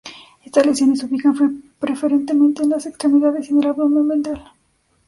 Estas lesiones se ubican preferentemente en las extremidades y en el abdomen ventral.